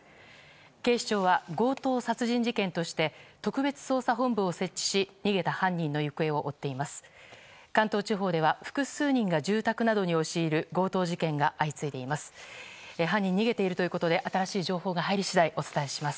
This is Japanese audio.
警視庁は強盗殺人事件として特別捜査本部を設置し逃げた犯人の行方を追っています。